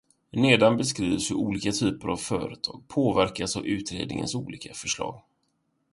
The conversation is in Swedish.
Nedan beskrivs hur olika typer av företag påverkas av utredningens olika förslag.